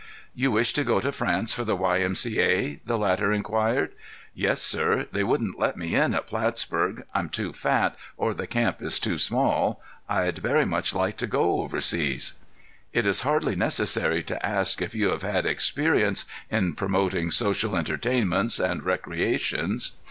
"You wish to go to France for the Y. M. C. A.?" the latter inquired. "Yes, sir. They wouldn't let me in at Plattsburg. I'm too fat, or the camp is too small. I'd very much like to go overseas." "It is hardly necessary to ask if you have had experience in promoting social entertainments and recreations."